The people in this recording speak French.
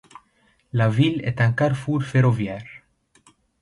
La ville est un carrefour ferroviaire.